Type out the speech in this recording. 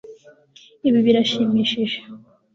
Ibi birashimishije